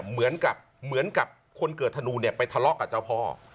เหมือนกับคนเกิดธนูเนี่ยไปทะเลาะกับเจ้าพ่อ